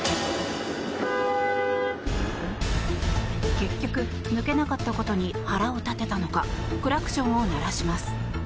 結局、抜けなかったことに腹を立てたのかクラクションを鳴らします。